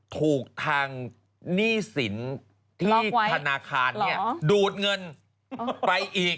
ถูกทางหนี้สินที่ธนาคารดูดเงินไปอีก